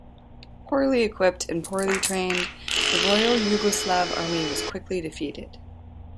Poorly equipped and poorly trained, the Royal Yugoslav Army was quickly defeated.